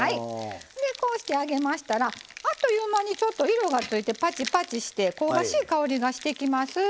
こうして揚げましたらあっという間に色がついてパチパチして香ばしい香りがしてきます。